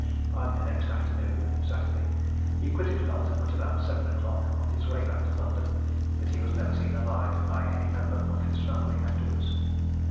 On the next afternoon (Saturday) he quitted Feltham at about seven o'clock, on his way back to London, but he was never seen alive by any member of his family afterwards.